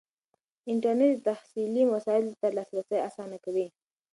انټرنیټ د تحصیلي وسایلو ته لاسرسی اسانه کوي.